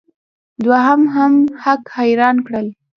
دوی هم هک حیران کړل.